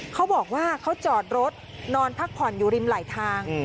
เขาบอกว่าเขาจอดรถนอนพักผ่อนอยู่ริมไหลทาง